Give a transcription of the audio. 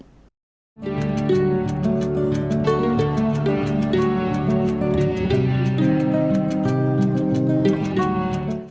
hãy đăng ký kênh để ủng hộ kênh của mình nhé